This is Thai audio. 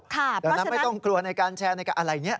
ดังนั้นไม่ต้องกลัวในการแชร์ในการอะไรอย่างนี้